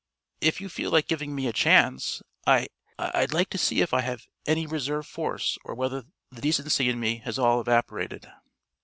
If you feel like giving me a chance I I'd like to see if I've any reserve force or whether the decency in me has all evaporated."